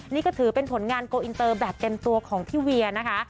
นี่ก็ถือเป็นผลงานโกลอินเตอร์แบบเต็มตัวของพี่เวียนะคะ